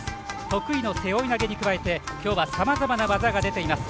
得意の背負い投げに加えてきょうはさまざまな技が出ています。